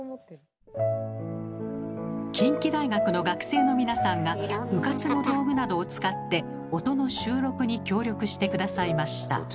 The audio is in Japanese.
近畿大学の学生の皆さんが部活の道具などを使って音の収録に協力して下さいました。